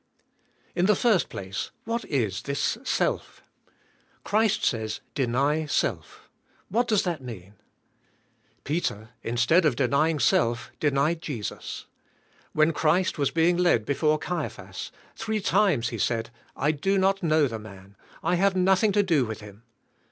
In the first place what is this self? Christ says: deny self. What does that mean? Peter, instead of denying* self, denied Jesus. When Christ was being led before Caiphas, three times he said, "I do not know the man. I have nothing to do with Him."